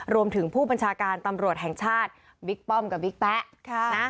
รวมถึงผู้บัญชาการตำรวจแห่งชาติบิ๊กป้อมกับบิ๊กแป๊ะ